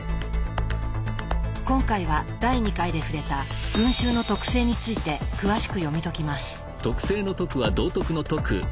今回は第２回で触れた「群衆の徳性」について詳しく読み解きます。